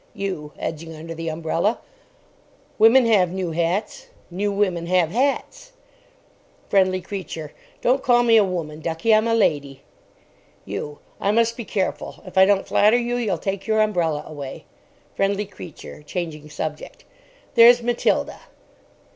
YOU. (edging under the umbrella). Women have new hats. New women have hats. FRIENDLY CREATURE. Don't call me a woman, ducky; I'm a lady. YOU. I must be careful. If I don't flatter you, you'll take your umbrella away. FRIENDLY CREATURE (changing subject). There's Matilda.